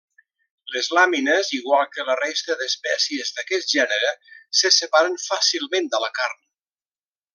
Les làmines, igual que la resta d'espècies d'aquest gènere, se separen fàcilment de la carn.